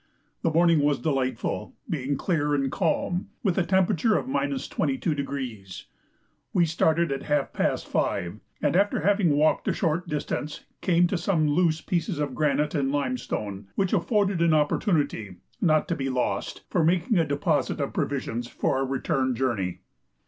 The morning was delightful, being clear and calm, with a temperature of 22°. We started at half past 5, and after having walked a short distance came to some loose pieces of granite and limestone, which afforded an opportunity, not to be lost, for making a deposit of provisions for our return journey.